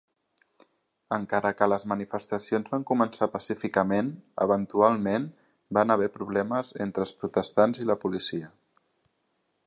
Encara que les manifestacions van començar pacíficament, eventualment van haver problemes entre els protestants i la policia.